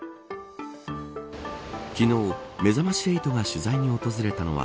昨日、めざまし８が取材に訪れたのは